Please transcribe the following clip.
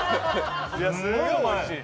すごいおいしい。